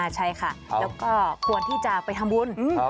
ใช่ค่ะแล้วก็ควรที่จะไปทำบุญ